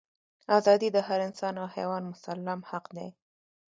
ازادي د هر انسان او حیوان مسلم حق دی.